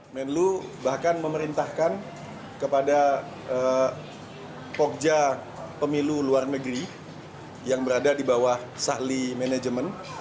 menlu bahkan memerintahkan kepada pogja pemilu luar negeri yang berada di bawah sahli manajemen